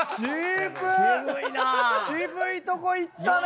渋いとこいったね！